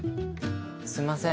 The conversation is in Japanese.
すいません